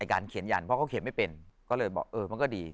การเขียนยันเพราะเขาเขียนไม่เป็นก็เลยบอกเออมันก็ดี